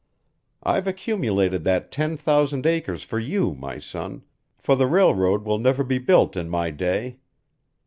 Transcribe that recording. I've accumulated that ten thousand acres for you, my son, for the railroad will never be built in my day.